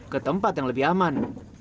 ketempat yang lebih aman